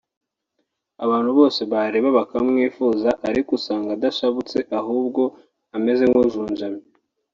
abantu bose bareba bakamwifuza ariko usanga adashabutse ahubwo ameze nk’ujunjamye